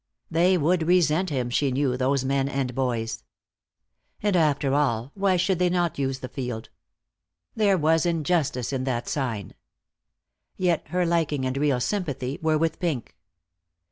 They would resent him, she knew, those men and boys. And after all, why should they not use the field? There was injustice in that sign. Yet her liking and real sympathy were with Pink.